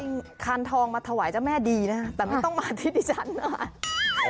คานทองมาถวายเจ้าแม่ดีนะแต่ไม่ต้องมาที่ดิฉันนะคะ